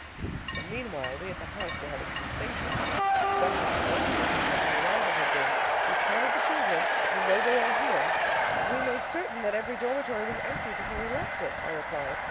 But meanwhile we at the house were having sensations. The doctor's first question upon arrival had been: "You've counted the children? You know they're all here?" "We've made certain that every dormitory was empty before we left it," I replied.